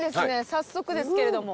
早速ですけれども。